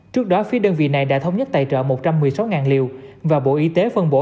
trước đó phía đơn vị này đã thống nhất tài trợ một trăm một mươi sáu liều và bộ y tế phân bổ